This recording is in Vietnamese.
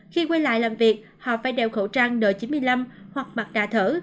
khi quay lại làm việc họ phải đeo khẩu trang n chín mươi năm hoặc mặt đà thở